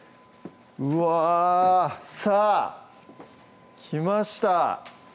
うわぁさぁ来ました